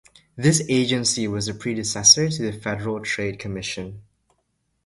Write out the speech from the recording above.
This agency was the predecessor to the Federal Trade Commission.